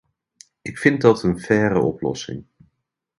Ik vind dat een faire oplossing.